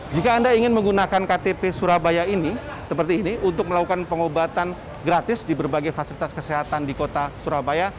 jika anda ingin menggunakan ktp surabaya ini seperti ini untuk melakukan pengobatan gratis di berbagai fasilitas kesehatan di kota surabaya